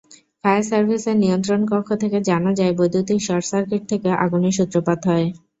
Fire সার্ভিসের নিয়ন্ত্রণকক্ষ থেকে জানা যায়, বৈদ্যুতিক শর্টসার্কিট থেকে আগুনের সূত্রপাত হয়।